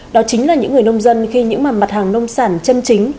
đó chính là những người nông dân khi những mặt hàng nông sản chân chính